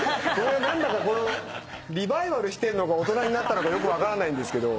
何だかリバイバルしてんのか大人になったのかよく分からないんですけど。